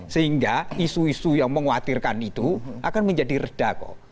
sehingga isu isu yang mengkhawatirkan itu akan menjadi reda kok